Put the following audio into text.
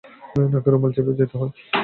নাকে রুমাল চেপে কাছে যেতে হয়।